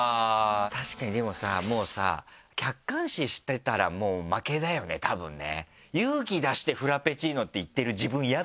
確かにでもさもうさ客観視してたらもう負けだよねたぶんね。